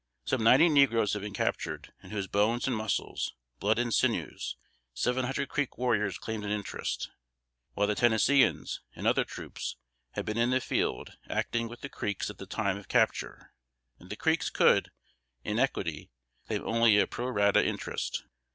Some ninety negroes had been captured, in whose bones and muscles, blood and sinews, seven hundred Creek warriors claimed an interest; while the Tennesseeans, and other troops, had been in the field acting with the Creeks at the time of capture; and the Creeks could, in equity, claim only a pro rata interest.